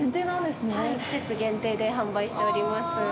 季節限定で販売しております。